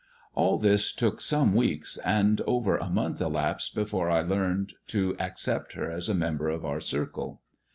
All this took some veeks, and over a month elapsed before I learned to accept ler as a member of our circle.